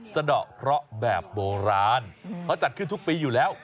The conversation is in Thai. สะดอกเคราะห์แบบโบราณเขาจัดขึ้นทุกปีอยู่แล้ว